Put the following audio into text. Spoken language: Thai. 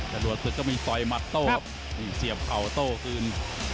จรวดศึกก็มีต่อยหมัดโต้นี่เสียบเข่าโต้คืน